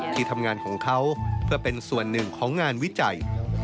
ที่ทำงานของเขาเพื่อเป็นส่วนหนึ่งของงานวิจัย